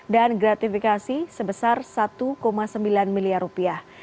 gratifikasi sebesar satu sembilan miliar rupiah